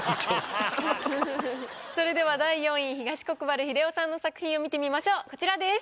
それでは第４位東国原英夫さんの作品を見てみましょうこちらです。